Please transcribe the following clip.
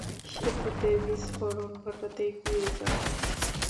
সেতুতে বিস্ফোরণ ঘটাতে এগিয়ে যাও।